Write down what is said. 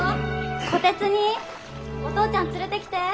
・虎鉄にいお父ちゃん連れてきて！